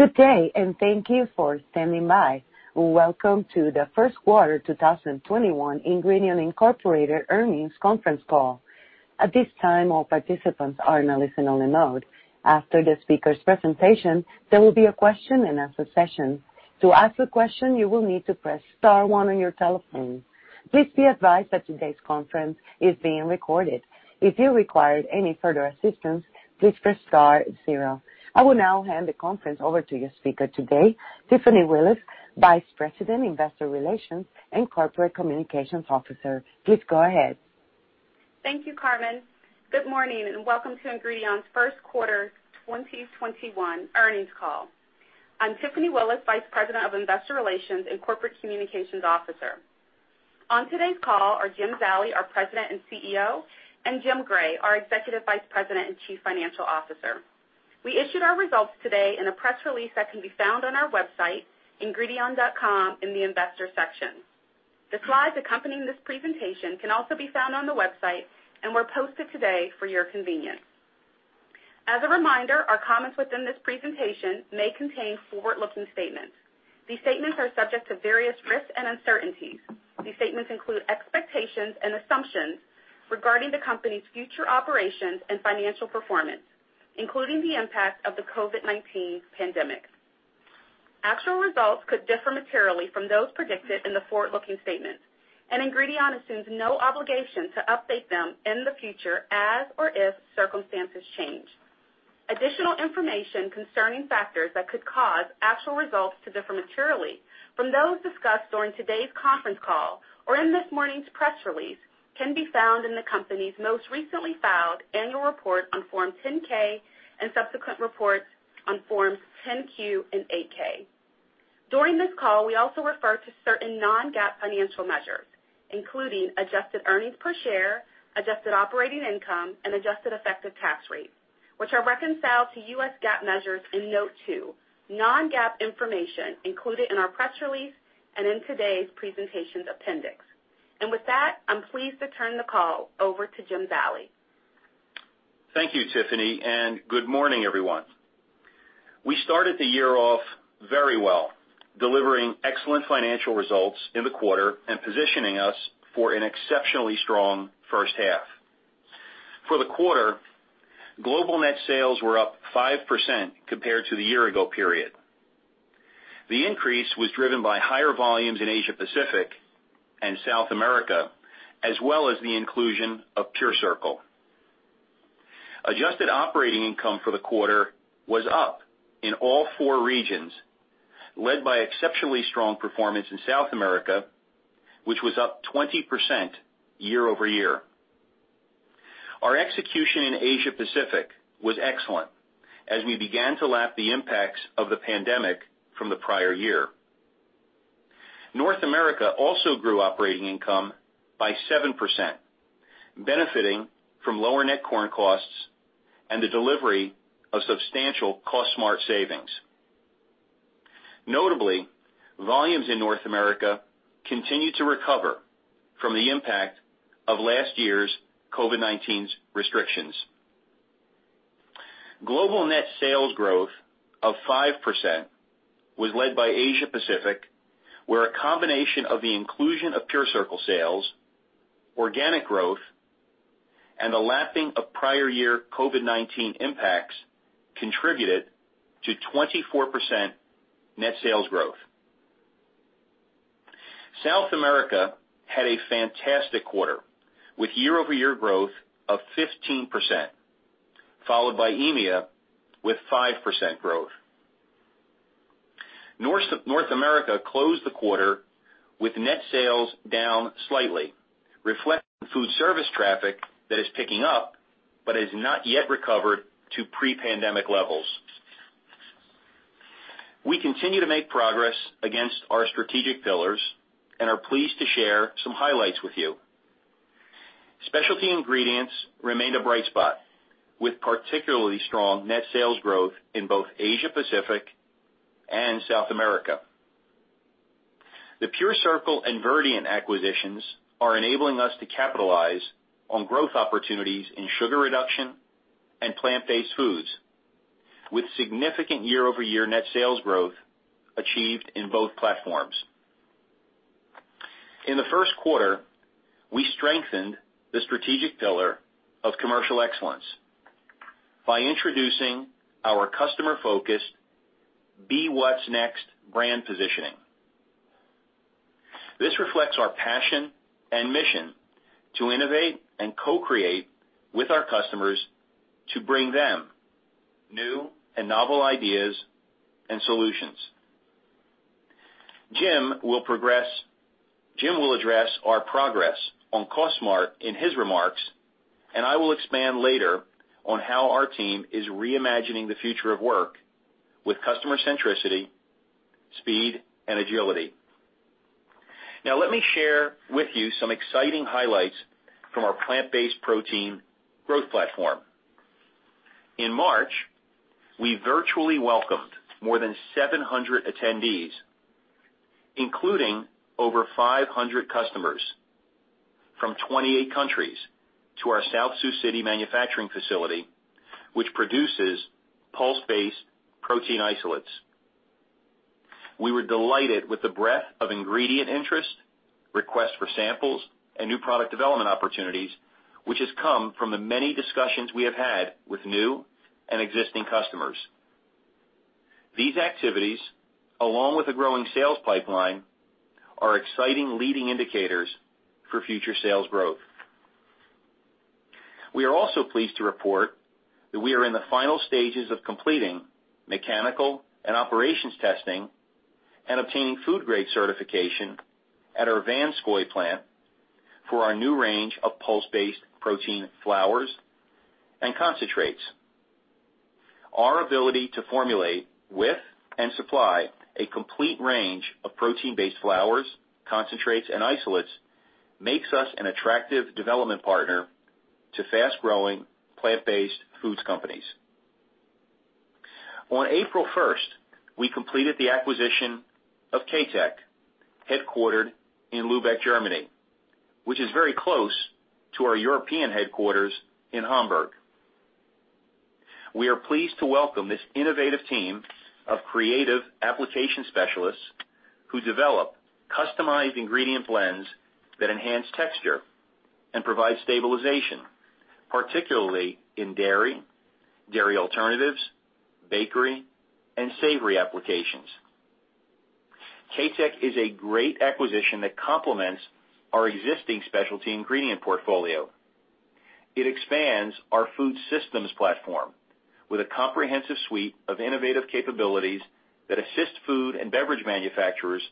Good day and thank you for standing by. Welcome to the First Quarter 2021 Ingredion Incorporated Earnings Conference Call. At this time all participants are on listen only mode. After the speakers presentation there will be a question and answer session. To ask a question, you will need to press star one on your telephone. Please be advised that today's conference is being recorded. If you require any further assistance please press star zero. I will now hand the conference over to your speaker today, Tiffany Willis, Vice President, Investor Relations and Corporate Communications Officer. Please go ahead. Thank you, Carmen. Good morning, and welcome to Ingredion's first quarter 2021 earnings call. I'm Tiffany Willis, Vice President of Investor Relations and Corporate Communications Officer. On today's call are Jim Zallie, our President and CEO, and Jim Gray, our Executive Vice President and Chief Financial Officer. We issued our results today in a press release that can be found on our website, ingredion.com, in the Investors section. The slides accompanying this presentation can also be found on the website and were posted today for your convenience. As a reminder, our comments within this presentation may contain forward-looking statements. These statements are subject to various risks and uncertainties. These statements include expectations and assumptions regarding the company's future operations and financial performance, including the impact of the COVID-19 pandemic. Actual results could differ materially from those predicted in the forward-looking statements, and Ingredion assumes no obligation to update them in the future as or if circumstances change. Additional information concerning factors that could cause actual results to differ materially from those discussed during today's conference call or in this morning's press release can be found in the company's most recently filed annual report on Form 10-K and subsequent reports on Forms 10-Q and 8-K. During this call, we also refer to certain non-GAAP financial measures, including adjusted earnings per share, adjusted operating income, and adjusted effective tax rate, which are reconciled to U.S. GAAP measures in Note two, non-GAAP information included in our press release and in today's presentation appendix. With that, I'm pleased to turn the call over to Jim Zallie. Thank you, Tiffany, and good morning, everyone. We started the year off very well, delivering excellent financial results in the quarter and positioning us for an exceptionally strong first half. For the quarter, global net sales were up 5% compared to the year-ago period. The increase was driven by higher volumes in Asia Pacific and South America, as well as the inclusion of PureCircle. Adjusted operating income for the quarter was up in all four regions, led by exceptionally strong performance in South America, which was up 20% year-over-year. Our execution in Asia Pacific was excellent as we began to lap the impacts of the pandemic from the prior year. North America also grew operating income by 7%, benefiting from lower net corn costs and the delivery of substantial Cost Smart savings. Notably, volumes in North America continued to recover from the impact of last year's COVID-19's restrictions. Global net sales growth of 5% was led by Asia Pacific, where a combination of the inclusion of PureCircle sales, organic growth, and the lapping of prior year COVID-19 impacts contributed to 24% net sales growth. South America had a fantastic quarter, with year-over-year growth of 15%, followed by EMEA with 5% growth. North America closed the quarter with net sales down slightly, reflecting food service traffic that is picking up but has not yet recovered to pre-pandemic levels. We continue to make progress against our strategic pillars and are pleased to share some highlights with you. Specialty ingredients remained a bright spot, with particularly strong net sales growth in both Asia Pacific and South America. The PureCircle and Verdient acquisitions are enabling us to capitalize on growth opportunities in sugar reduction and plant-based foods, with significant year-over-year net sales growth achieved in both platforms. In the first quarter, we strengthened the strategic pillar of commercial excellence by introducing our customer-focused Be What's Next brand positioning. This reflects our passion and mission to innovate and co-create with our customers to bring them new and novel ideas and solutions. Jim will address our progress on Cost Smart in his remarks, and I will expand later on how our team is reimagining the future of work with customer centricity, speed, and agility. Now, let me share with you some exciting highlights from our plant-based protein growth platform. In March, we virtually welcomed more than 700 attendees, including over 500 customers from 28 countries to our South Sioux City manufacturing facility, which produces pulse-based protein isolates. We were delighted with the breadth of ingredient interest, requests for samples, and new product development opportunities, which has come from the many discussions we have had with new and existing customers. These activities, along with a growing sales pipeline, are exciting leading indicators for future sales growth. We are also pleased to report that we are in the final stages of completing mechanical and operations testing and obtaining food grade certification at our Vanscoy plant for our new range of pulse-based protein flours and concentrates. Our ability to formulate with and supply a complete range of protein-based flours, concentrates, and isolates makes us an attractive development partner to fast-growing plant-based foods companies. On April 1st, we completed the acquisition of KaTech, headquartered in Lübeck, Germany, which is very close to our European headquarters in Hamburg. We are pleased to welcome this innovative team of creative application specialists who develop customized ingredient blends that enhance texture and provide stabilization, particularly in dairy alternatives, bakery, and savory applications. KaTech is a great acquisition that complements our existing specialty ingredient portfolio. It expands our food systems platform with a comprehensive suite of innovative capabilities that assist food and beverage manufacturers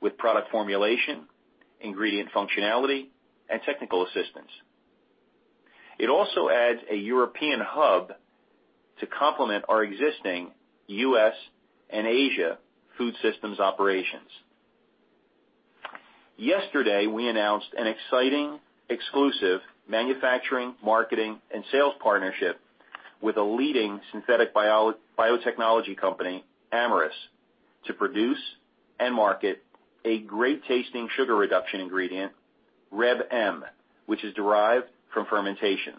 with product formulation, ingredient functionality, and technical assistance. It also adds a European hub to complement our existing U.S. and Asia food systems operations. Yesterday, we announced an exciting exclusive manufacturing, marketing, and sales partnership with a leading synthetic biotechnology company, Amyris, to produce and market a great-tasting sugar reduction ingredient, Reb M, which is derived from fermentation.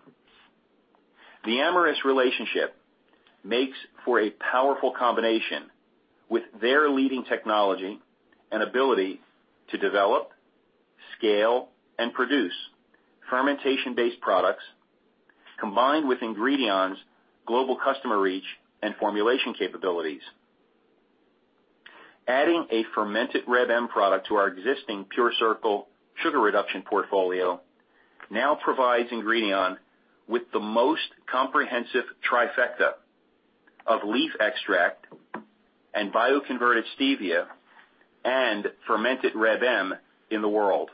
The Amyris relationship makes for a powerful combination with their leading technology and ability to develop, scale, and produce fermentation-based products, combined with Ingredion's global customer reach and formulation capabilities. Adding a fermented Reb M product to our existing PureCircle sugar reduction portfolio now provides Ingredion with the most comprehensive trifecta of leaf extract and bioconverted stevia and fermented Reb M in the world.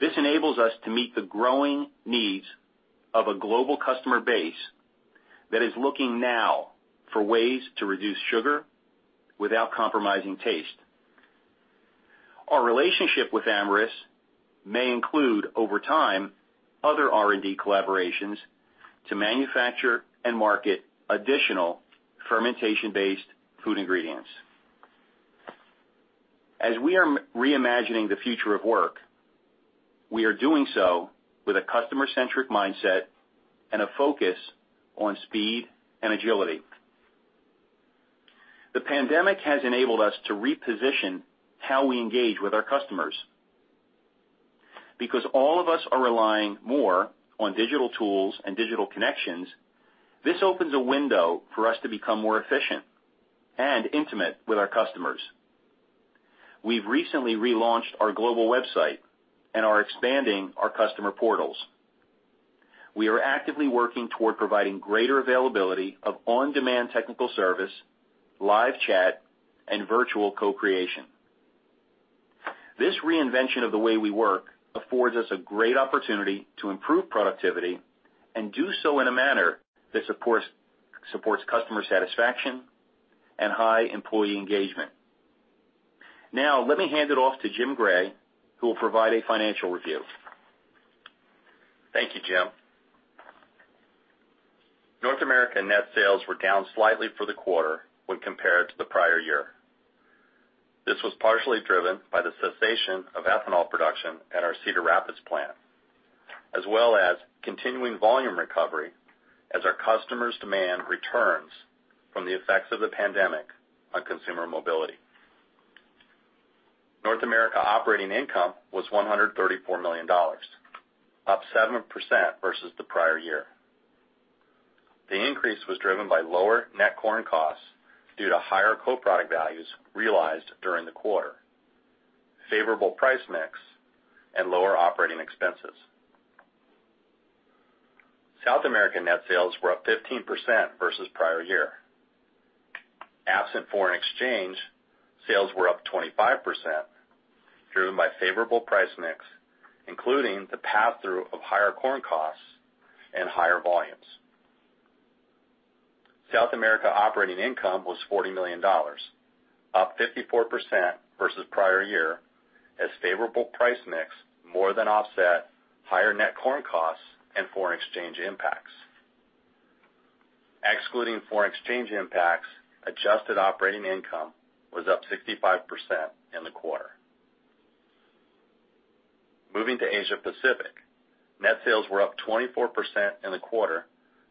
This enables us to meet the growing needs of a global customer base that is looking now for ways to reduce sugar without compromising taste. Our relationship with Amyris may include, over time, other R&D collaborations to manufacture and market additional fermentation-based food ingredients. As we are reimagining the future of work, we are doing so with a customer-centric mindset and a focus on speed and agility. The pandemic has enabled us to reposition how we engage with our customers. Because all of us are relying more on digital tools and digital connections, this opens a window for us to become more efficient and intimate with our customers. We've recently relaunched our global website and are expanding our customer portals. We are actively working toward providing greater availability of on-demand technical service, live chat, and virtual co-creation. This reinvention of the way we work affords us a great opportunity to improve productivity and do so in a manner that supports customer satisfaction and high employee engagement. Let me hand it off to Jim Gray, who will provide a financial review. Thank you, Jim. North America net sales were down slightly for the quarter when compared to the prior year. This was partially driven by the cessation of ethanol production at our Cedar Rapids plant, as well as continuing volume recovery as our customers' demand returns from the effects of the pandemic on consumer mobility. North America operating income was $134 million, up 7% versus the prior year. The increase was driven by lower net corn costs due to higher co-product values realized during the quarter, favorable price mix, and lower operating expenses. South America net sales were up 15% versus prior year. Absent foreign exchange, sales were up 25%, driven by favorable price mix, including the pass-through of higher corn costs and higher volumes. South America operating income was $40 million, up 54% versus prior year as favorable price mix more than offset higher net corn costs and foreign exchange impacts. Excluding foreign exchange impacts, adjusted operating income was up 65% in the quarter. Moving to Asia Pacific. Net sales were up 24% in the quarter,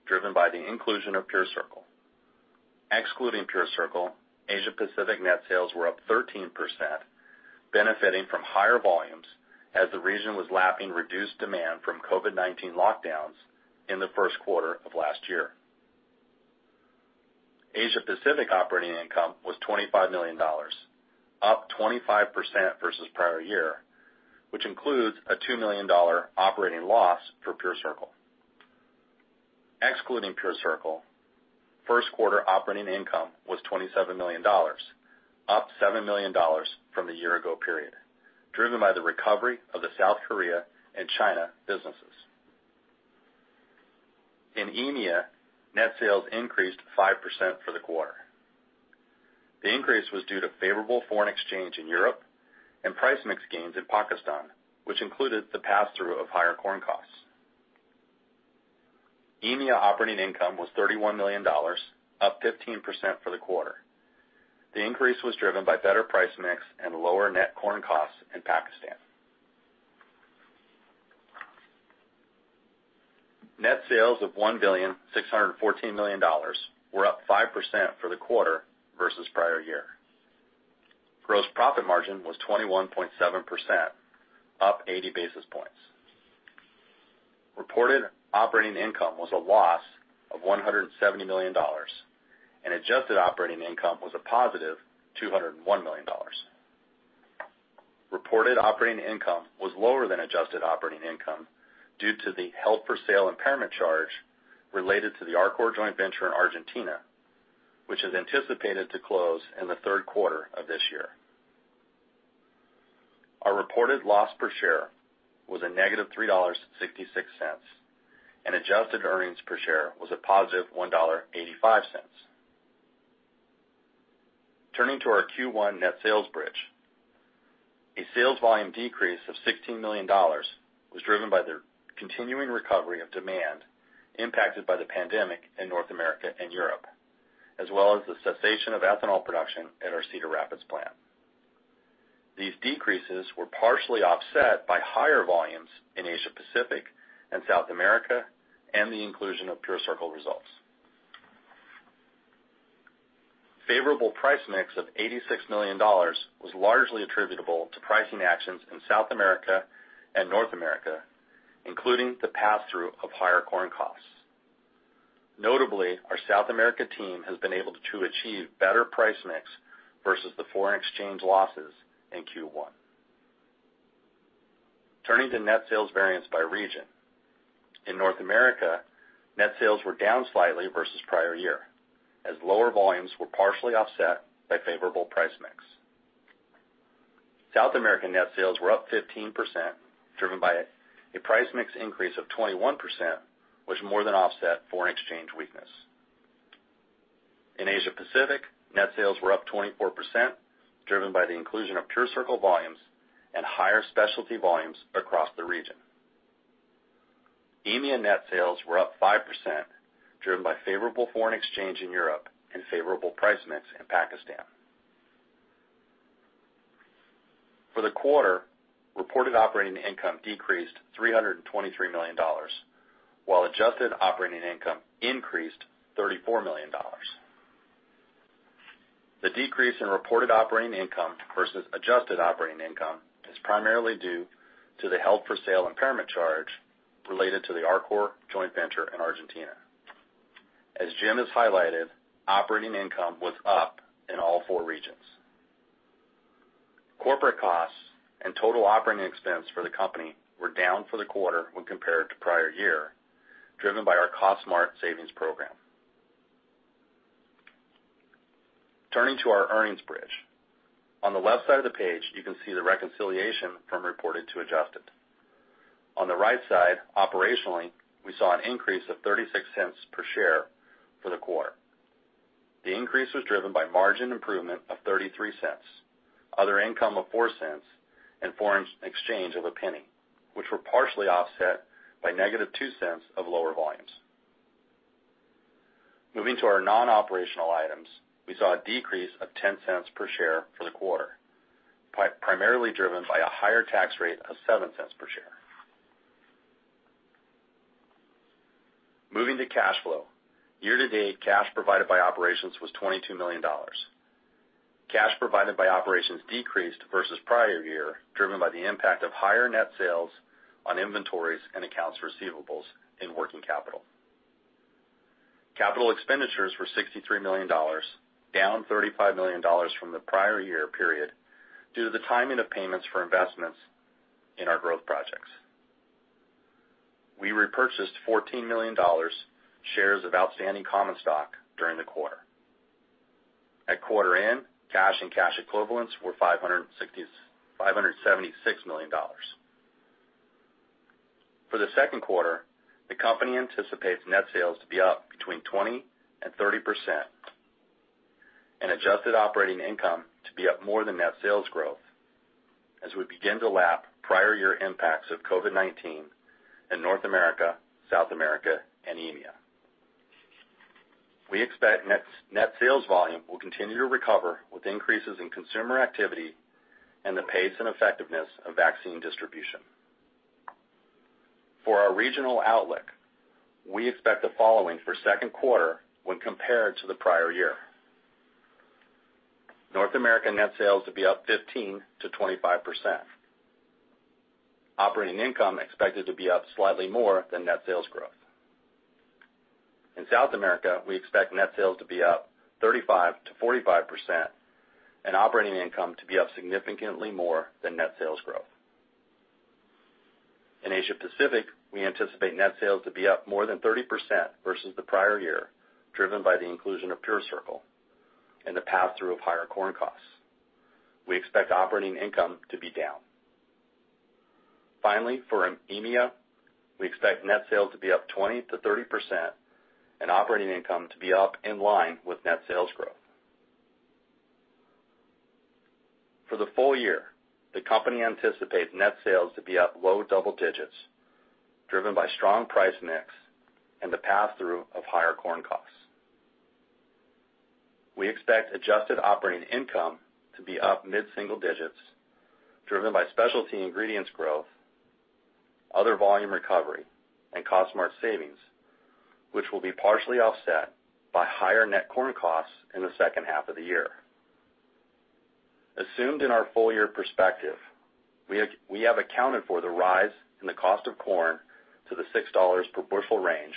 driven by the inclusion of PureCircle. Excluding PureCircle, Asia Pacific net sales were up 13%, benefiting from higher volumes as the region was lapping reduced demand from COVID-19 lockdowns in the first quarter of last year. Asia Pacific operating income was $25 million, up 25% versus prior year, which includes a $2 million operating loss for PureCircle. Excluding PureCircle, first quarter operating income was $27 million, up $7 million from the year ago period, driven by the recovery of the South Korea and China businesses. In EMEA, net sales increased 5% for the quarter. The increase was due to favorable foreign exchange in Europe and price mix gains in Pakistan, which included the pass-through of higher corn costs. EMEA operating income was $31 million, up 15% for the quarter. The increase was driven by better price mix and lower net corn costs in Pakistan. Net sales of $1.614 billion were up 5% for the quarter versus prior year. Gross profit margin was 21.7%, up 80 basis points. Reported operating income was a loss of $170 million, and adjusted operating income was a positive $201 million. Reported operating income was lower than adjusted operating income due to the held-for-sale impairment charge related to the Arcor joint venture in Argentina, which is anticipated to close in the third quarter of this year. Our reported loss per share was a negative $3.66, and adjusted earnings per share was a positive $1.85. Turning to our Q1 net sales bridge. A sales volume decrease of $16 million was driven by the continuing recovery of demand impacted by the pandemic in North America and Europe, as well as the cessation of ethanol production at our Cedar Rapids plant. These decreases were partially offset by higher volumes in Asia Pacific and South America, and the inclusion of PureCircle results. Favorable price mix of $86 million was largely attributable to pricing actions in South America and North America, including the pass-through of higher corn costs. Notably, our South America team has been able to achieve better price mix versus the foreign exchange losses in Q1. Turning to net sales variance by region. In North America, net sales were down slightly versus prior year, as lower volumes were partially offset by favorable price mix. South American net sales were up 15%, driven by a price mix increase of 21%, which more than offset foreign exchange weakness. In Asia Pacific, net sales were up 24%, driven by the inclusion of PureCircle volumes and higher specialty volumes across the region. EMEA net sales were up 5%, driven by favorable foreign exchange in Europe and favorable price mix in Pakistan. For the quarter, reported operating income decreased $323 million, while adjusted operating income increased $34 million. The decrease in reported operating income versus adjusted operating income is primarily due to the held-for-sale impairment charge related to the Arcor joint venture in Argentina. As Jim has highlighted, operating income was up in all four regions. Corporate costs and total operating expense for the company were down for the quarter when compared to prior year, driven by our Cost Smart savings program. Turning to our earnings bridge. On the left side of the page, you can see the reconciliation from reported to adjusted. On the right side, operationally, we saw an increase of $0.36 per share for the quarter. The increase was driven by margin improvement of $0.33, other income of $0.04, and foreign exchange of $0.01, which were partially offset by -$0.02 of lower volumes. Moving to our non-operational items, we saw a decrease of $0.10 per share for the quarter, primarily driven by a higher tax rate of $0.07 per share. Moving to cash flow. Year-to-date cash provided by operations was $22 million. Cash provided by operations decreased versus prior year, driven by the impact of higher net sales on inventories and accounts receivables in working capital. Capital expenditures were $63 million, down $35 million from the prior year period due to the timing of payments for investments in our growth projects. We repurchased 14 million shares of outstanding common stock during the quarter. At quarter end, cash and cash equivalents were $576 million. For the second quarter, the company anticipates net sales to be up between 20% and 30%. Adjusted operating income to be up more than net sales growth as we begin to lap prior year impacts of COVID-19 in North America, South America, and EMEA. We expect net sales volume will continue to recover with increases in consumer activity and the pace and effectiveness of vaccine distribution. For our regional outlook, we expect the following for second quarter when compared to the prior year. North American net sales to be up 15%-25%. Operating income expected to be up slightly more than net sales growth. In South America, we expect net sales to be up 35%-45% and operating income to be up significantly more than net sales growth. In Asia Pacific, we anticipate net sales to be up more than 30% versus the prior year, driven by the inclusion of PureCircle and the pass-through of higher corn costs. We expect operating income to be down. Finally, for EMEA, we expect net sales to be up 20%-30% and operating income to be up in line with net sales growth. For the full year, the company anticipates net sales to be up low double digits, driven by strong price mix and the pass-through of higher corn costs. We expect adjusted operating income to be up mid-single digits, driven by specialty ingredients growth, other volume recovery, and Cost Smart savings, which will be partially offset by higher net corn costs in the second half of the year. Assumed in our full year perspective, we have accounted for the rise in the cost of corn to the $6 per bushel range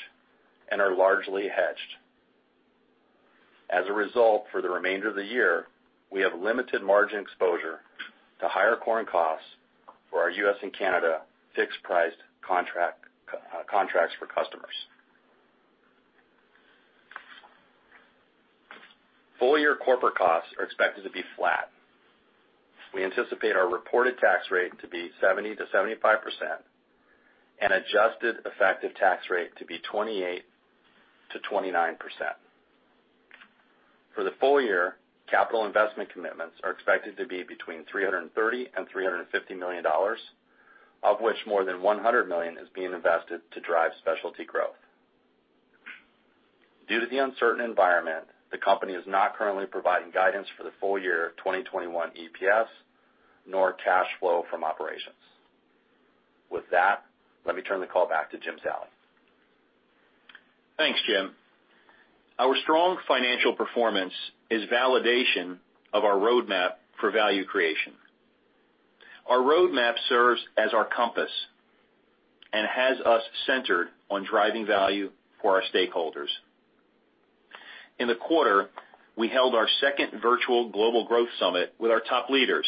and are largely hedged. As a result, for the remainder of the year, we have limited margin exposure to higher corn costs for our U.S. and Canada fixed priced contracts for customers. Full year corporate costs are expected to be flat. We anticipate our reported tax rate to be 70%-75% and adjusted effective tax rate to be 28%-29%. For the full year, capital investment commitments are expected to be between $330 million and $350 million, of which more than $100 million is being invested to drive specialty growth. Due to the uncertain environment, the company is not currently providing guidance for the full year 2021 EPS nor cash flow from operations. With that, let me turn the call back to Jim Zallie. Thanks, Jim. Our strong financial performance is validation of our roadmap for value creation. Our roadmap serves as our compass and has us centered on driving value for our stakeholders. In the quarter, we held our second virtual global growth summit with our top leaders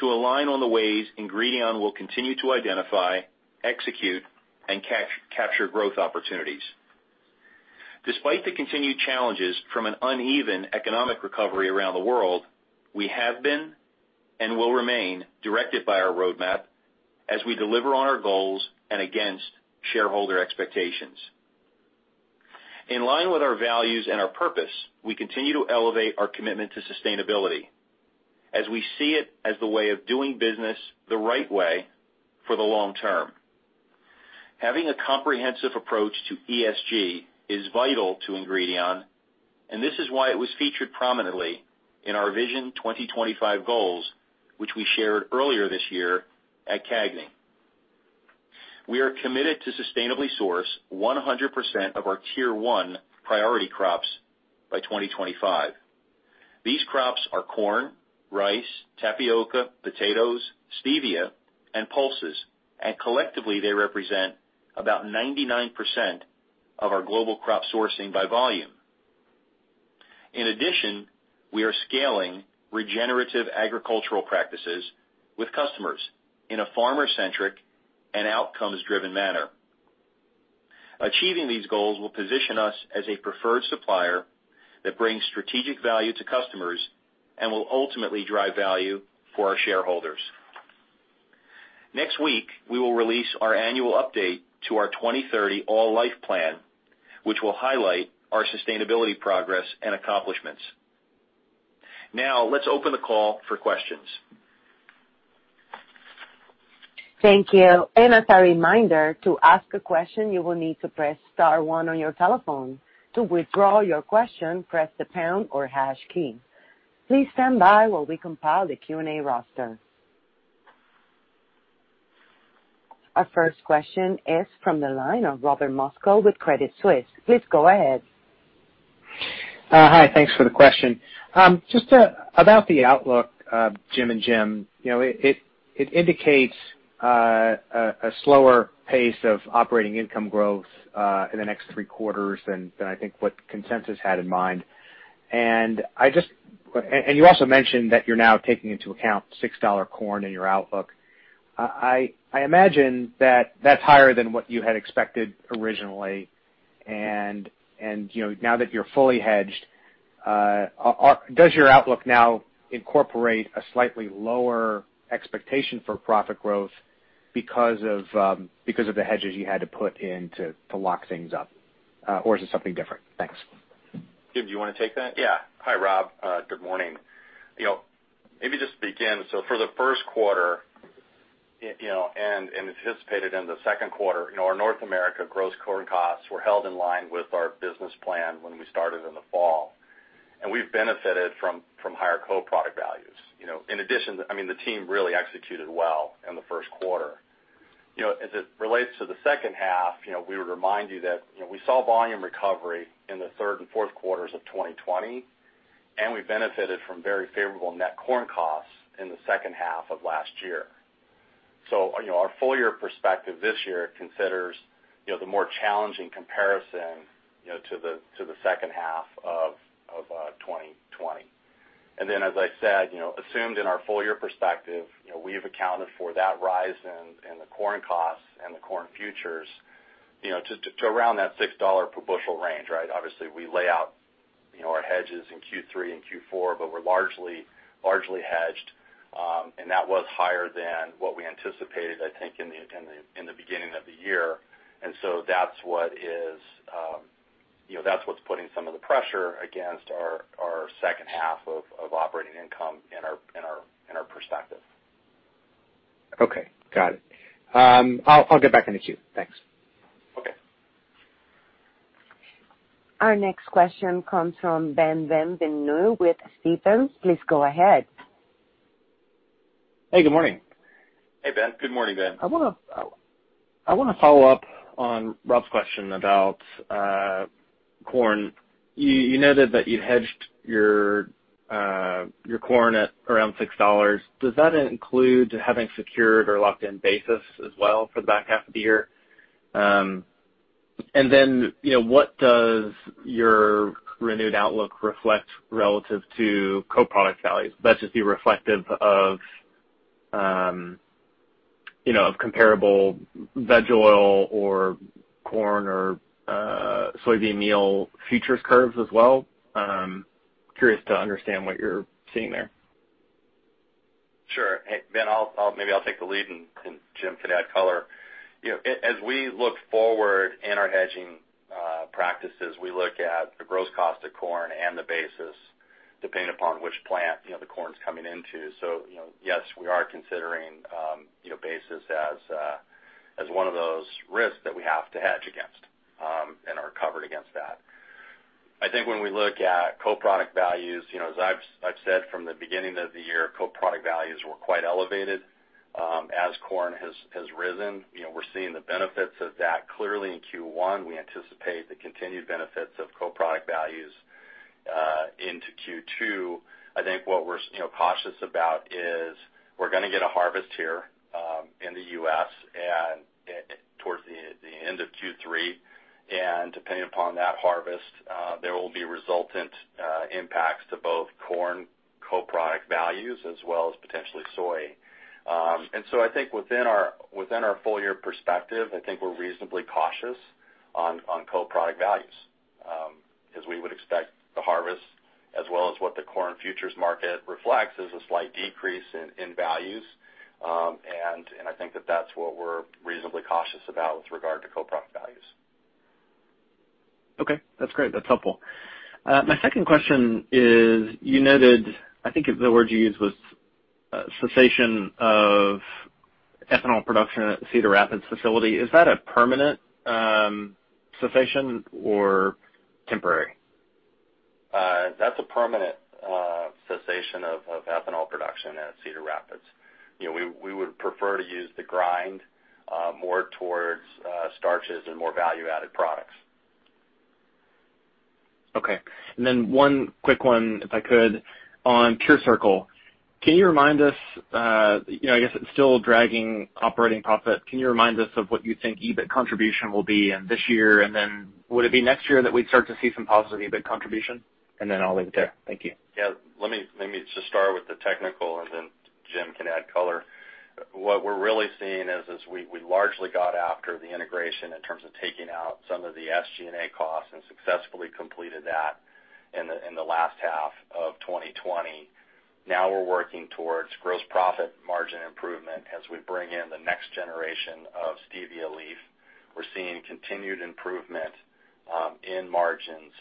to align on the ways Ingredion will continue to identify, execute, and capture growth opportunities. Despite the continued challenges from an uneven economic recovery around the world, we have been and will remain directed by our roadmap as we deliver on our goals and against shareholder expectations. In line with our values and our purpose, we continue to elevate our commitment to sustainability as we see it as the way of doing business the right way for the long term. Having a comprehensive approach to ESG is vital to Ingredion, and this is why it was featured prominently in our Vision 2025 goals, which we shared earlier this year at CAGNY. We are committed to sustainably source 100% of our Tier 1 priority crops by 2025. These crops are corn, rice, tapioca, potatoes, stevia, and pulses, and collectively, they represent about 99% of our global crop sourcing by volume. In addition, we are scaling regenerative agricultural practices with customers in a farmer-centric and outcomes-driven manner. Achieving these goals will position us as a preferred supplier that brings strategic value to customers and will ultimately drive value for our shareholders. Next week, we will release our annual update to our 2030 All Life plan, which will highlight our sustainability progress and accomplishments. Now, let's open the call for questions. Thank you. As a reminder to ask a question you will need to press star one on your telephone, to withdraw your question press the pound key or hash key. Please stand by as we compile the Q&A roster. Our first question is from the line of Robert Moskow with Credit Suisse. Please go ahead. Hi, thanks for the question. Just about the outlook, Jim and Jim, it indicates a slower pace of operating income growth in the next three quarters than I think what consensus had in mind. You also mentioned that you're now taking into account $6 corn in your outlook. I imagine that that's higher than what you had expected originally, and now that you're fully hedged, does your outlook now incorporate a slightly lower expectation for profit growth? Because of the hedges you had to put in to lock things up, or is it something different? Thanks. Jim, do you want to take that? Yeah. Hi, Rob. Good morning. Maybe just to begin, for the first quarter, and anticipated in the second quarter, our North America gross corn costs were held in line with our business plan when we started in the fall. We've benefited from higher co-product values. In addition, the team really executed well in the first quarter. As it relates to the second half, we would remind you that we saw volume recovery in the third and fourth quarters of 2020, and we benefited from very favorable net corn costs in the second half of last year. Our full-year perspective this year considers the more challenging comparison to the second half of 2020. As I said, assumed in our full-year perspective, we've accounted for that rise in the corn costs and the corn futures to around that $6 per bushel range, right? Obviously, we lay out our hedges in Q3 and Q4, but we're largely hedged. That was higher than what we anticipated, I think, in the beginning of the year. That's what's putting some of the pressure against our second half of operating income in our perspective. Okay. Got it. I'll get back in the queue. Thanks. Okay. Our next question comes from Ben Bienvenu with Stephens. Please go ahead. Hey, good morning. Hey, Ben. Good morning, Ben. I want to follow up on Rob's question about corn. You noted that you'd hedged your corn at around $6. Does that include having secured or locked in basis as well for the back half of the year? What does your renewed outlook reflect relative to co-product values? Does it just be reflective of comparable veg oil or corn or soybean meal futures curves as well? Curious to understand what you're seeing there. Sure. Hey, Ben, maybe I'll take the lead and Jim can add color. As we look forward in our hedging practices, we look at the gross cost of corn and the basis, depending upon which plant the corn's coming into. Yes, we are considering basis as one of those risks that we have to hedge against and are covered against that. I think when we look at co-product values, as I've said from the beginning of the year, co-product values were quite elevated. As corn has risen, we're seeing the benefits of that clearly in Q1. We anticipate the continued benefits of co-product values into Q2. I think what we're cautious about is we're going to get a harvest here in the U.S. towards the end of Q3, and depending upon that harvest, there will be resultant impacts to both corn co-product values as well as potentially soy. I think within our full-year perspective, I think we're reasonably cautious on co-product values, as we would expect the harvest as well as what the corn futures market reflects is a slight decrease in values. I think that that's what we're reasonably cautious about with regard to co-product values. Okay. That's great. That's helpful. My second question is, you noted, I think the word you used was cessation of ethanol production at the Cedar Rapids facility. Is that a permanent cessation or temporary? That's a permanent cessation of ethanol production at Cedar Rapids. We would prefer to use the grind more towards starches and more value-added products. Okay. One quick one, if I could, on PureCircle. I guess it's still dragging operating profit. Can you remind us of what you think EBIT contribution will be in this year, and then would it be next year that we'd start to see some positive EBIT contribution? I'll leave it there. Thank you. Yeah. Let me just start with the technical, and then Jim can add color. What we're really seeing is we largely got after the integration in terms of taking out some of the SG&A costs and successfully completed that in the last half of 2020. Now we're working towards gross profit margin improvement as we bring in the next generation of stevia leaf. We're seeing continued improvement in margins,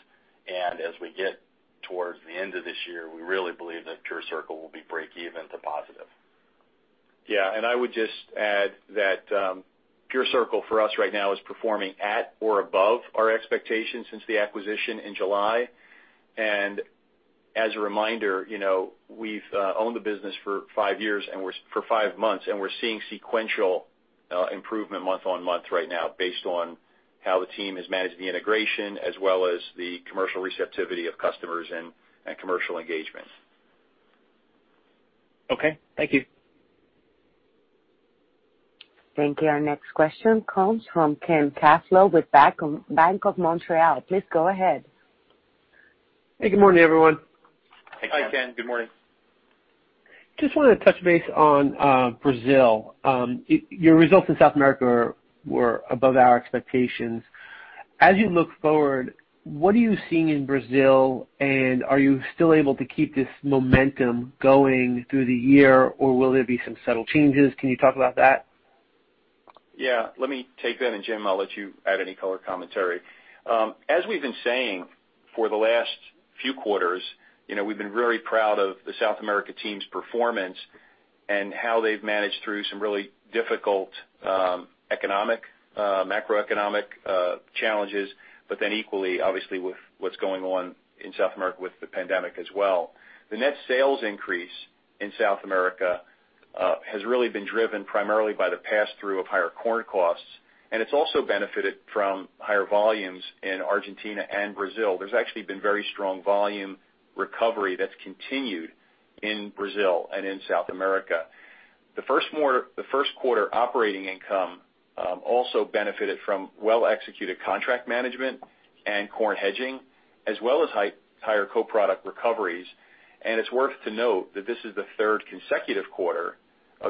and as we get towards the end of this year, we really believe that PureCircle will be breakeven to positive. Yeah, I would just add that PureCircle for us right now is performing at or above our expectations since the acquisition in July. As a reminder, we've owned the business for five months, and we're seeing sequential improvement month on month right now based on how the team has managed the integration as well as the commercial receptivity of customers and commercial engagements. Okay. Thank you. Thank you. Our next question comes from Ken Zaslow with Bank of Montreal. Please go ahead. Hey, good morning, everyone. Hi, Ken. Good morning. Hi, Ken. Just wanted to touch base on Brazil. Your results in South America were above our expectations. As you look forward, what are you seeing in Brazil? Are you still able to keep this momentum going through the year, or will there be some subtle changes? Can you talk about that? Yeah. Let me take that. Jim, I'll let you add any color commentary. As we've been saying for the last few quarters, we've been very proud of the South America team's performance and how they've managed through some really difficult macroeconomic challenges, but then equally, obviously, with what's going on in South America with the pandemic as well. The net sales increase in South America has really been driven primarily by the pass-through of higher corn costs, and it's also benefited from higher volumes in Argentina and Brazil. There's actually been very strong volume recovery that's continued in Brazil and in South America. The first quarter operating income also benefited from well-executed contract management and corn hedging, as well as higher co-product recoveries. It's worth to note that this is the third consecutive quarter of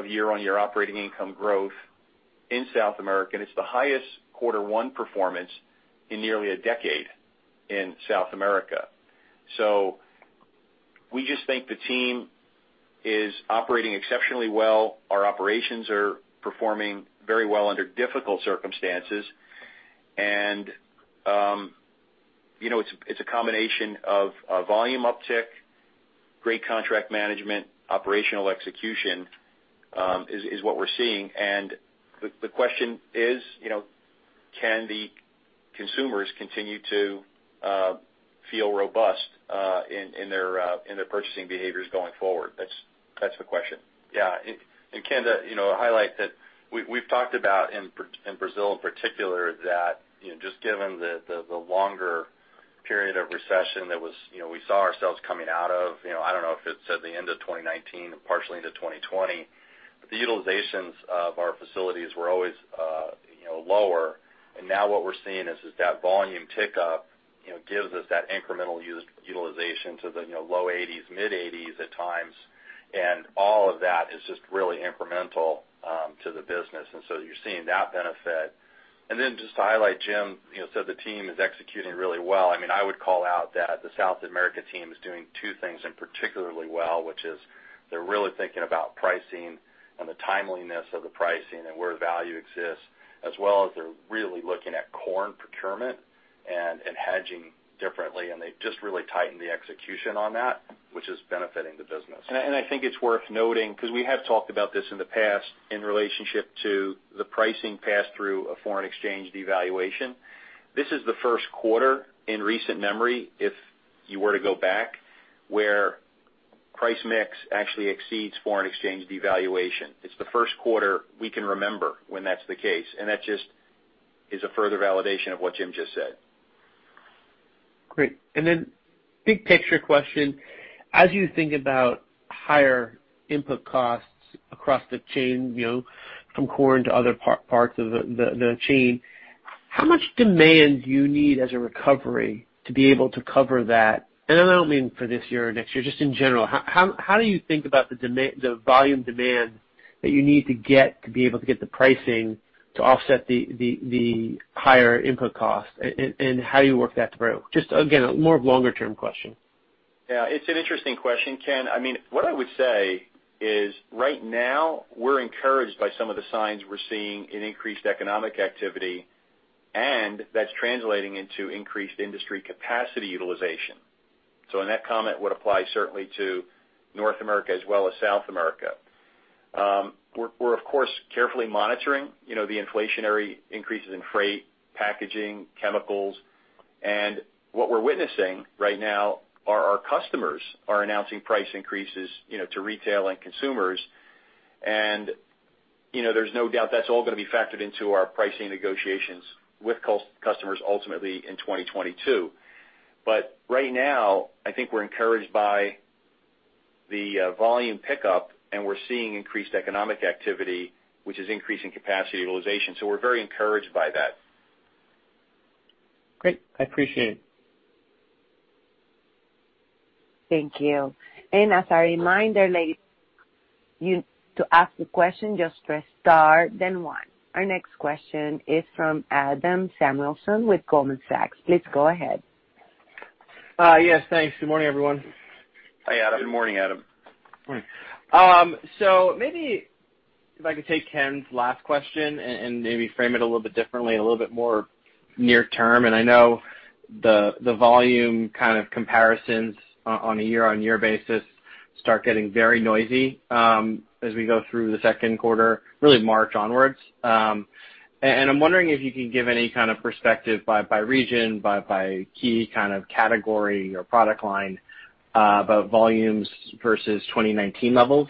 year-on-year operating income growth in South America, and it's the highest quarter one performance in nearly a decade in South America. We just think the team is operating exceptionally well. Our operations are performing very well under difficult circumstances. It's a combination of a volume uptick, great contract management, operational execution, is what we're seeing. The question is: Can the consumers continue to feel robust in their purchasing behaviors going forward? That's the question. Yeah. Ken, to highlight that we've talked about in Brazil in particular, that just given the longer period of recession that we saw ourselves coming out of, I don't know if it's at the end of 2019 and partially into 2020, but the utilizations of our facilities were always lower. Now what we're seeing is that volume tick up gives us that incremental utilization to the low 80s, mid 80s at times. All of that is just really incremental to the business, you're seeing that benefit. Just to highlight, Jim said the team is executing really well. I would call out that the South America team is doing two things, and particularly well, which is they're really thinking about pricing and the timeliness of the pricing and where value exists, as well as they're really looking at corn procurement and hedging differently. They've just really tightened the execution on that, which is benefiting the business. I think it's worth noting, because we have talked about this in the past in relationship to the pricing pass-through of foreign exchange devaluation. This is the first quarter in recent memory, if you were to go back, where price mix actually exceeds foreign exchange devaluation. It's the first quarter we can remember when that's the case, that just is a further validation of what Jim just said. Great. Big picture question, as you think about higher input costs across the chain, from corn to other parts of the chain, how much demand do you need as a recovery to be able to cover that? I don't mean for this year or next year, just in general, how do you think about the volume demand that you need to get to be able to get the pricing to offset the higher input cost? How do you work that through? Just again, more of a longer-term question. Yeah. It's an interesting question, Ken. What I would say is right now, we're encouraged by some of the signs we're seeing in increased economic activity, and that's translating into increased industry capacity utilization. That comment would apply certainly to North America as well as South America. We're of course, carefully monitoring the inflationary increases in freight, packaging, chemicals. What we're witnessing right now are our customers are announcing price increases to retail and consumers. There's no doubt that's all going to be factored into our pricing negotiations with customers ultimately in 2022. Right now, I think we're encouraged by the volume pickup, and we're seeing increased economic activity, which is increasing capacity utilization. We're very encouraged by that. Great. I appreciate it. Thank you. As a reminder, ladies and gentlemen, to ask the question, just press star, then one. Our next question is from Adam Samuelson with Goldman Sachs. Please go ahead. Yes, thanks. Good morning, everyone. Hi, Adam. Good morning, Adam. Morning. Maybe if I could take Ken's last question and maybe frame it a little bit differently, a little bit more near term. I know the volume kind of comparisons on a year-on-year basis start getting very noisy as we go through the second quarter, really March onwards. I'm wondering if you can give any kind of perspective by region, by key kind of category or product line about volumes versus 2019 levels,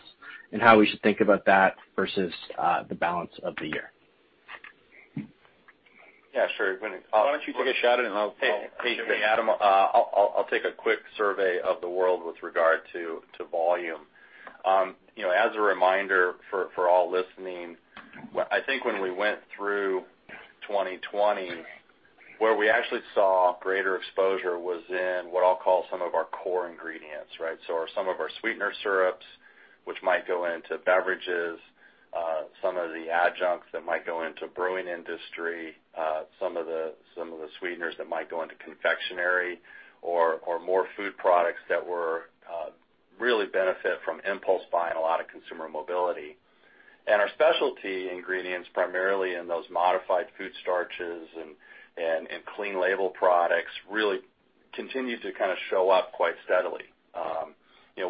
and how we should think about that versus the balance of the year. Yeah, sure. Why don't you take a shot at it and I'll- Hey, Adam, I'll take a quick survey of the world with regard to volume. As a reminder for all listening, I think when we went through 2020. Where we actually saw greater exposure was in what I'll call some of our core ingredients, right? Some of our sweetener syrups, which might go into beverages, some of the adjuncts that might go into brewing industry, some of the sweeteners that might go into confectionery or more food products that really benefit from impulse buying, a lot of consumer mobility. Our specialty ingredients, primarily in those modified food starches and clean label products, really continue to show up quite steadily.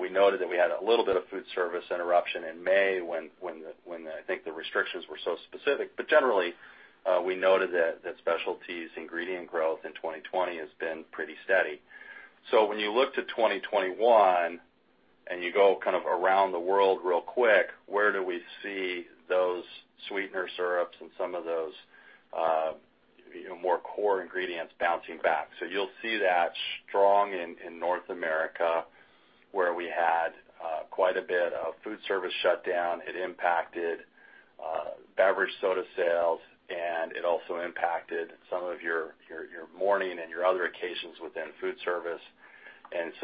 We noted that we had a little bit of food service interruption in May when I think the restrictions were so specific. Generally, we noted that specialties ingredient growth in 2020 has been pretty steady. When you look to 2021, and you go around the world real quick, where do we see those sweetener syrups and some of those more core ingredients bouncing back? You'll see that strong in North America, where we had quite a bit of food service shutdown. It impacted beverage soda sales, and it also impacted some of your morning and your other occasions within food service.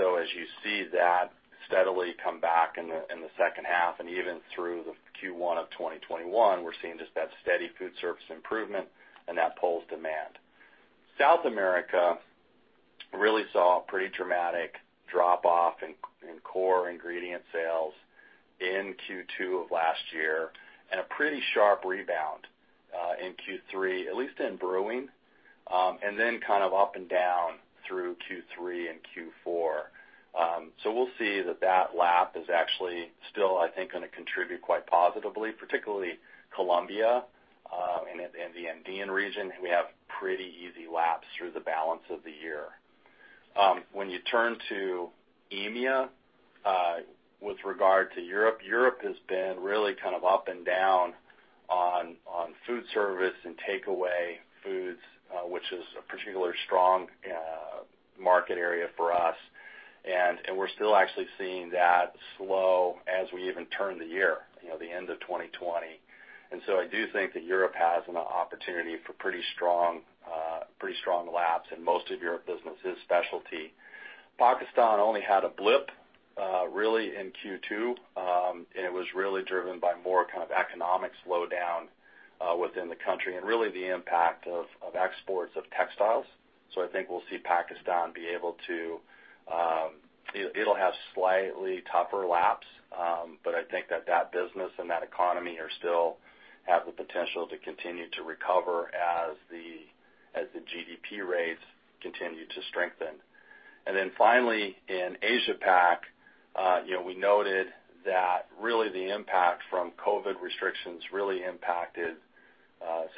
As you see that steadily come back in the second half and even through the Q1 of 2021, we're seeing just that steady food service improvement and that pulls demand. South America really saw a pretty dramatic drop-off in core ingredient sales in Q2 of last year, and a pretty sharp rebound in Q3, at least in brewing, and then kind of up and down through Q3 and Q4. We'll see that lap is actually still, I think, going to contribute quite positively, particularly Colombia and the Andean region, and we have pretty easy laps through the balance of the year. When you turn to EMEA with regard to Europe has been really up and down on food service and takeaway foods, which is a particularly strong market area for us, and we're still actually seeing that slow as we even turn the year, the end of 2020. I do think that Europe has an opportunity for pretty strong lapse in most of Europe businesses specialty. Pakistan only had a blip really in Q2, and it was really driven by more kind of economic slowdown within the country and really the impact of exports of textiles. I think we'll see Pakistan. It'll have slightly tougher lapse, but I think that that business and that economy still have the potential to continue to recover as the GDP rates continue to strengthen. Finally, in Asia Pac, we noted that really the impact from COVID restrictions really impacted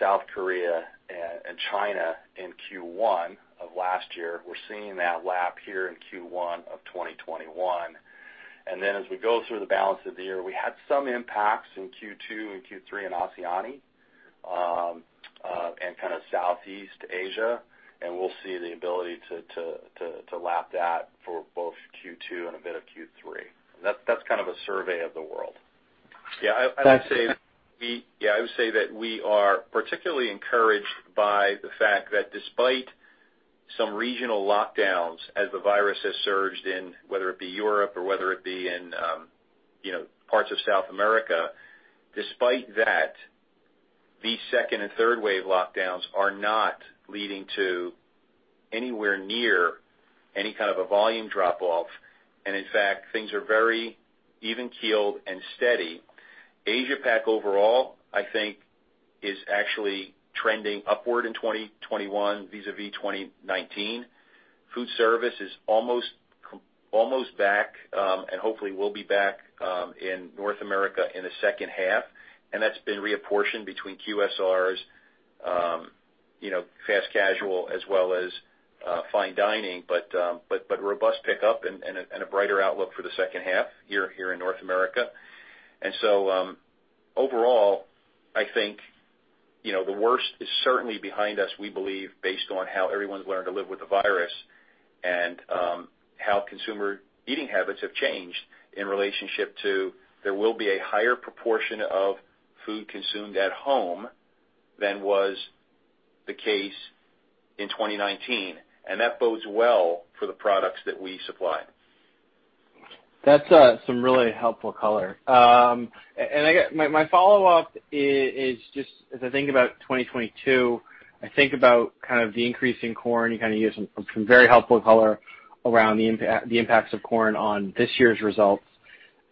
South Korea and China in Q1 of last year. We're seeing that lap here in Q1 of 2021. As we go through the balance of the year, we had some impacts in Q2 and Q3 in ASEAN and kind of Southeast Asia, and we'll see the ability to lap that for both Q2 and a bit of Q3. That's kind of a survey of the world. Yeah, I would say that we are particularly encouraged by the fact that despite some regional lockdowns as the virus has surged in, whether it be Europe or whether it be in parts of South America, despite that, the second and third wave lockdowns are not leading to anywhere near any kind of a volume drop-off. In fact, things are very even-keeled and steady. Asia Pac overall, I think, is actually trending upward in 2021 vis-à-vis 2019. Food service is almost back, and hopefully will be back in North America in the second half, and that's been reapportioned between QSRs, fast casual as well as fine dining, but robust pickup and a brighter outlook for the second half here in North America. Overall, I think, the worst is certainly behind us, we believe, based on how everyone's learned to live with the virus and how consumer eating habits have changed in relationship to there will be a higher proportion of food consumed at home than was the case in 2019, and that bodes well for the products that we supply. That's some really helpful color. My follow-up is just as I think about 2022, I think about the increase in corn. You gave some very helpful color around the impacts of corn on this year's results.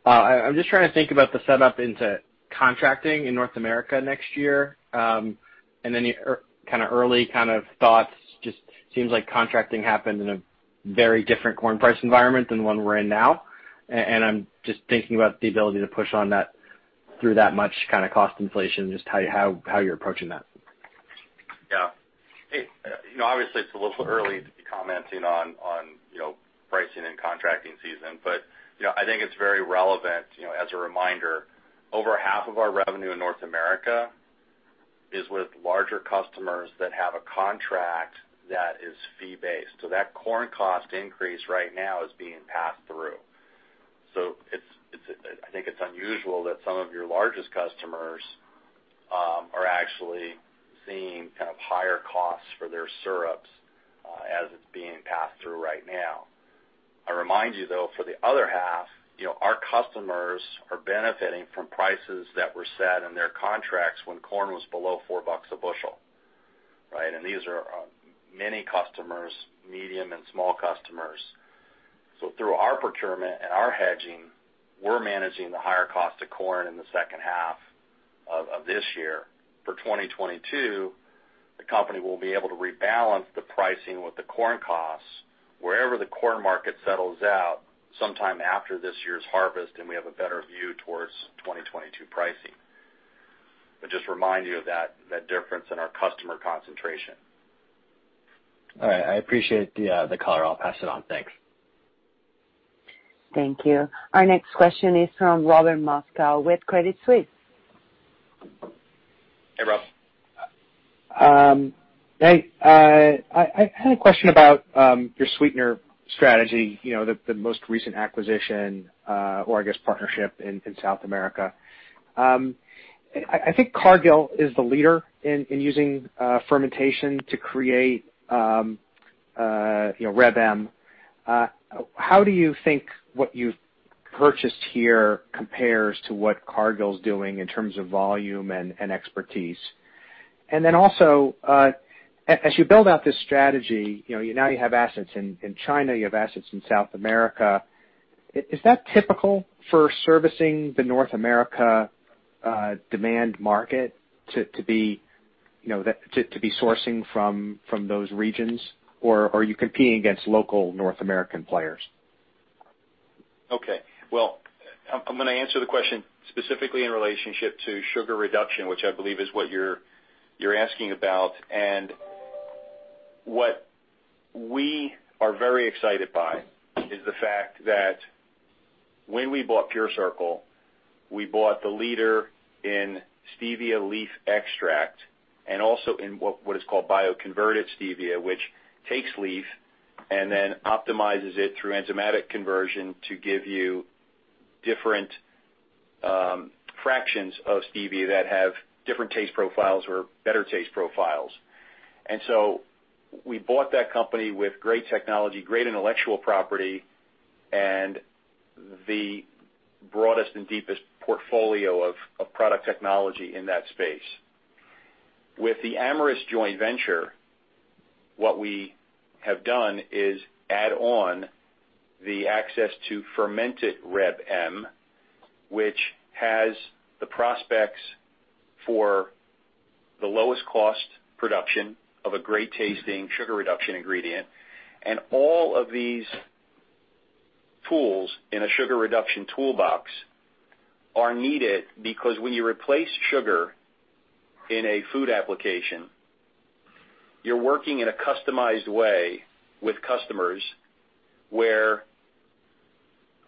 I'm just trying to think about the setup into contracting in North America next year. Any early thoughts, just seems like contracting happened in a very different corn price environment than one we're in now. I'm just thinking about the ability to push on that through that much cost inflation, just how you're approaching that. Obviously, it's a little early to be commenting on pricing and contracting season, but I think it's very relevant. As a reminder, over half of our revenue in North America is with larger customers that have a contract that is fee-based. That corn cost increase right now is being passed through. I think its unusual that some of your largest customers are actually seeing higher costs for their syrups as it's being passed through right now. I remind you, though, for the other half, our customers are benefiting from prices that were set in their contracts when corn was below four bucks a bushel, right? These are many customers, medium and small customers. Through our procurement and our hedging, we're managing the higher cost of corn in the second half of this year. For 2022, the company will be able to rebalance the pricing with the corn costs wherever the corn market settles out sometime after this year's harvest, and we have a better view towards 2022 pricing. Just remind you of that difference in our customer concentration. All right. I appreciate the color. I'll pass it on. Thanks. Thank you. Our next question is from Robert Moskow with Credit Suisse. Hey, Rob. Hey. I had a question about your sweetener strategy, the most recent acquisition, or I guess, partnership in South America. I think Cargill is the leader in using fermentation to create Reb M. How do you think what you've purchased here compares to what Cargill's doing in terms of volume and expertise? Also, as you build out this strategy, now you have assets in China, you have assets in South America. Is that typical for servicing the North America demand market to be sourcing from those regions? Are you competing against local North American players? Okay. Well, I'm gonna answer the question specifically in relationship to sugar reduction, which I believe is what you're asking about. What we are very excited by is the fact that when we bought PureCircle, we bought the leader in stevia leaf extract, and also in what is called bioconverted stevia, which takes leaf and then optimizes it through enzymatic conversion to give you different fractions of stevia that have different taste profiles or better taste profiles. We bought that company with great technology, great intellectual property, and the broadest and deepest portfolio of product technology in that space. With the Amyris joint venture, what we have done is add on the access to fermented Reb M, which has the prospects for the lowest cost production of a great tasting sugar reduction ingredient. All of these tools in a sugar reduction toolbox are needed because when you replace sugar in a food application, you're working in a customized way with customers where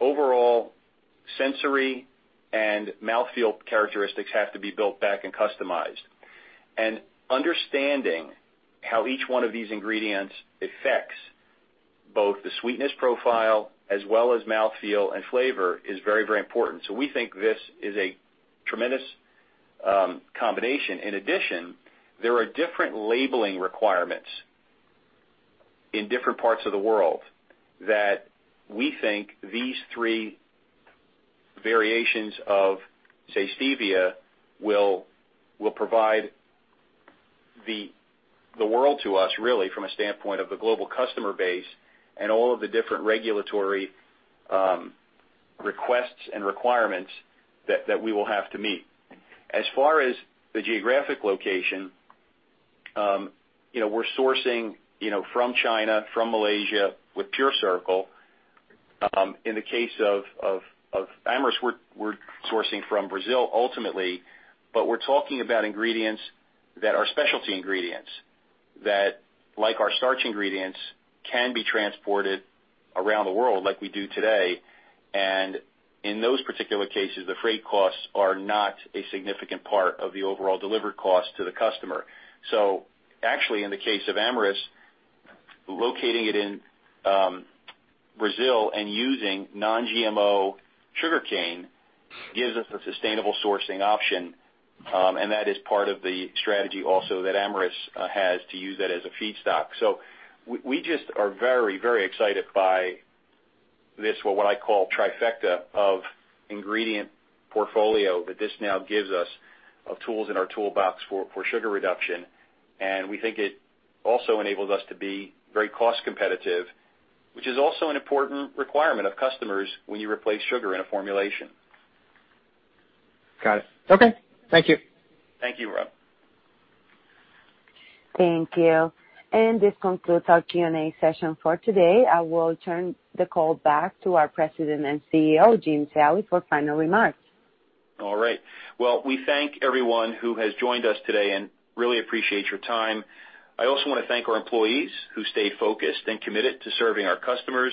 overall sensory and mouthfeel characteristics have to be built back and customized. Understanding how each one of these ingredients affects both the sweetness profile as well as mouthfeel and flavor is very, very important. We think this is a tremendous combination. In addition, there are different labeling requirements in different parts of the world that we think these three variations of, say, stevia, will provide the world to us, really, from a standpoint of the global customer base and all of the different regulatory requests and requirements that we will have to meet. As far as the geographic location, we're sourcing from China, from Malaysia with PureCircle. In the case of Amyris, we're sourcing from Brazil ultimately. We're talking about ingredients that are specialty ingredients that, like our starch ingredients, can be transported around the world like we do today. In those particular cases, the freight costs are not a significant part of the overall delivered cost to the customer. Actually, in the case of Amyris, locating it in Brazil and using non-GMO sugarcane gives us a sustainable sourcing option, and that is part of the strategy also that Amyris has to use that as a feedstock. We just are very, very excited by this, what I call trifecta of ingredient portfolio that this now gives us of tools in our toolbox for sugar reduction. We think it also enables us to be very cost competitive, which is also an important requirement of customers when you replace sugar in a formulation. Got it. Okay. Thank you. Thank you, Rob. Thank you. This concludes our Q&A session for today. I will turn the call back to our President and CEO, Jim Zallie, for final remarks. All right. Well, we thank everyone who has joined us today and really appreciate your time. I also want to thank our employees who stayed focused and committed to serving our customers.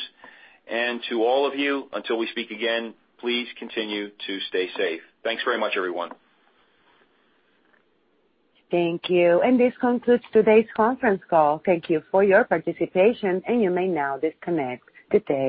To all of you, until we speak again, please continue to stay safe. Thanks very much, everyone. Thank you. This concludes today's conference call. Thank you for your participation, and you may now disconnect. Good day.